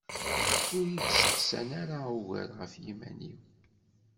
Ur iyi-d-steqsan ara ugar ɣef yiman-iw.